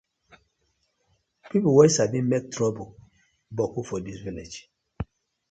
Pipu wey sabi mak toruble boku for dis villag.